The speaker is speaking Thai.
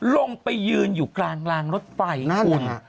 ลงไปยืนอยู่กลางรางรถไฟนะคุณ